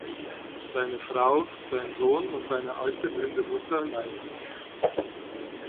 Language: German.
Seine Frau, sein Sohn und seine alte blinde Mutter leiden Hunger.